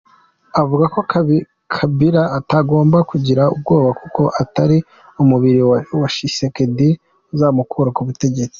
Avuga ko Kabila atagomba kugira ubwoba kuko atari umubiri wa Tshisekedi uzamukura ku butegetsi.